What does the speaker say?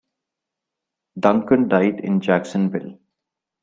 Duncan died in Jacksonville.